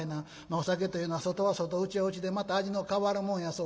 お酒というのは外は外内は内でまた味の変わるもんやそうです。